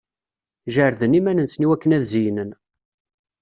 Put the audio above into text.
Jerden iman-nsen i wakken ad-zeynen.